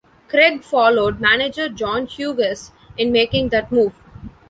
Cregg followed manager John Hughes in making that move.